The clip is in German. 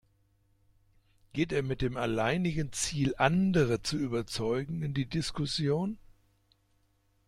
Geht er mit dem alleinigen Ziel, andere zu überzeugen, in die Diskussion?